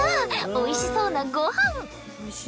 おいしそうなご飯。